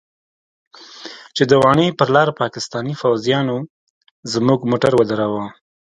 چې د واڼې پر لاره پاکستاني فوجيانو زموږ موټر ودراوه.